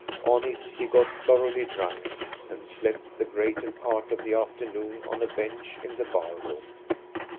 On it he got thor oughly drunk, and slept the greater part of the after noon on a bench in the bar room.